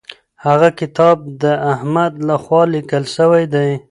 هغه کتاب د احمد لخوا لیکل سوی دی.